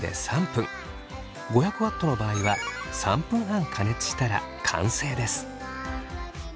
５００Ｗの場合は３分半加熱したら完成です。